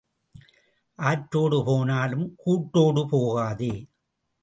ஆற்றோடு போனாலும் கூட்டோடு போகாதே.